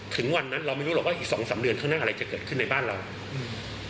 ถึงวันนั้นเราไม่รู้หรอกว่าอีกสองสามเดือนข้างหน้าอะไรจะเกิดขึ้นในบ้านเราอืม